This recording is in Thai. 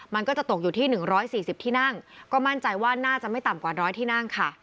มันก็จะตกอยู่ที่๑๔๐ที่นั่งก็มั่นใจว่าน่าจะไม่ต่ำกว่า๑๐๐ที่นั่งค่ะ